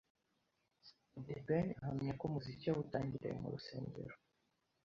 The Ben ahamya ko umuziki yawutangiriye mu rusengero